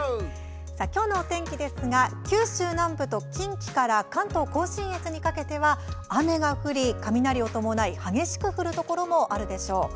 今日のお天気ですが九州南部と近畿から関東、甲信越にかけては雨が降り雷を伴い激しく降るところもあるでしょう。